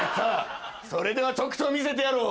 それではとくと見せてやろう。